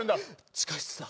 地下室だ。